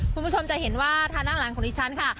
คุณผู้ชมจะเห็นว่าทางด้านหลังของดิฉันค่ะ